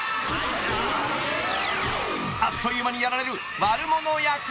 ［あっという間にやられる悪者役］